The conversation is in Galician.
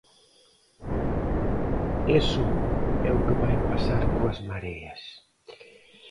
Iso é o que vai pasar coas mareas.